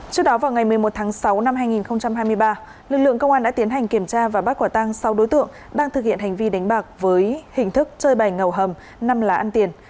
trước đó vào ngày một mươi một tháng sáu năm hai nghìn hai mươi ba lực lượng công an đã tiến hành kiểm tra và bắt quả tăng sáu đối tượng đang thực hiện hành vi đánh bạc với hình thức chơi bài ngầu hầm năm là ăn tiền